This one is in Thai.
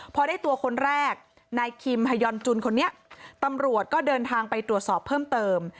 พอได้ตัวคนแรกนายคิมฮายอนจุนคนนี้ตำรวจก็เดินทางไปตรวจสอบเพิ่มเติม